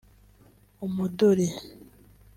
umuduli